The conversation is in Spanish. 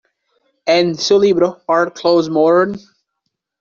En su libro "Are Clothes Modern?